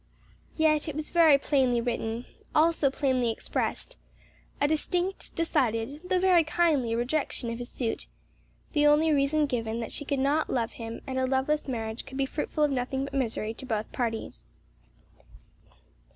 Yet it was very plainly written; also plainly expressed; a distinct, decided, though very kindly rejection of his suit; the only reason given that she could not love him and a loveless marriage could be fruitful of nothing but misery to both parties.